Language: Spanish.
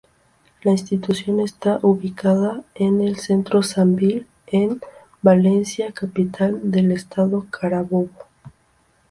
La institución está ubicada en el Centro Sambil, en Valencia, capital del estado Carabobo.